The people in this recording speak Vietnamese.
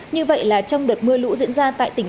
như vậy là trong đợt mưa lũ diễn ra tại tỉnh